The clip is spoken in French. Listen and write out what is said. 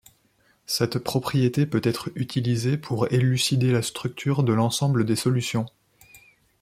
Cette propriété peut être utilisée pour élucider la structure de l'ensemble des solutions.